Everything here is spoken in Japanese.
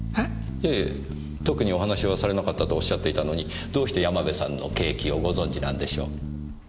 いえ特にお話はされなかったとおっしゃっていたのにどうして山部さんの刑期をご存じなんでしょう？